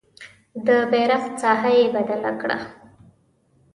د بیرغ ساحه یې بدله کړه.